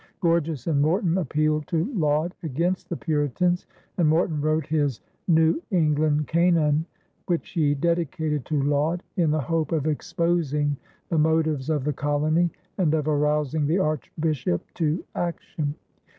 Gorges and Morton appealed to Laud against the Puritans, and Morton wrote his New England Canaan, which he dedicated to Laud, in the hope of exposing the motives of the colony and of arousing the Archbishop to action.